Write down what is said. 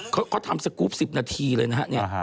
เขาจะทำสกรูปสิบนาทีเลยนะฮะ